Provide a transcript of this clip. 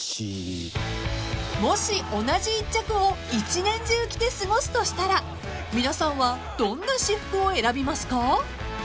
［もし同じ１着を一年中着て過ごすとしたら皆さんはどんな私服を選びますか？］